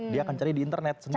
dia akan cari di internet